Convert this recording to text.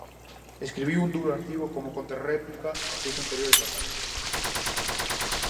Escribiu un duro artigo como contrarréplica aos seus anteriores ataques.